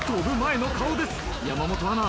山本アナ。